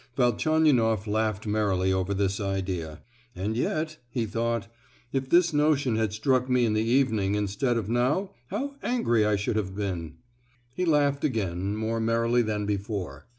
Velchaninoff laughed merrily over this idea. "And yet," he thought; "if this notion had struck me in the evening instead of now, how angry I should have been!" He laughed again, more merrily than before.